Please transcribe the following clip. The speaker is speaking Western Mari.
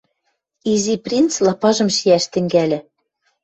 Изи принц лапажым шиӓш тӹнгӓльӹ.